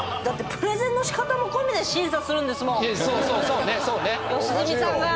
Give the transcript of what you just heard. だってプレゼンの仕方も込みで審査するんですもん。